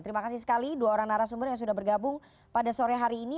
terima kasih sekali dua orang narasumber yang sudah bergabung pada sore hari ini